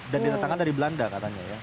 dan diletakkan dari belanda katanya ya